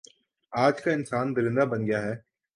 آج کا انسان درندہ بن گیا ہے